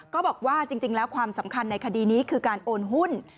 ก็บอกว่าจริงแล้วความสำคัญในคดีนี้คือการโอนหุ้น